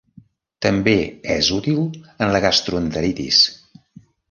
També és útil en la gastroenteritis.